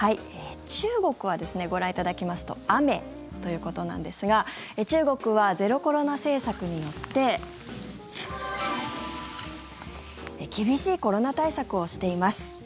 中国はご覧いただきますと雨ということなんですが中国はゼロコロナ政策によって厳しいコロナ対策をしています。